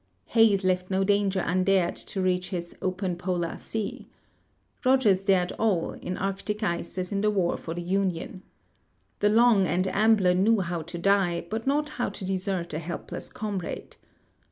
Hayes left no danger undared to reach his " Open Polar Sea." Rodgers dared all, in Arctic ice as in the War for the Union. De Long and Ambler knew how to die, but not how to desert a helpless comrade.